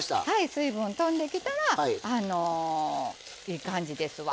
水分とんできたらいい感じですわ。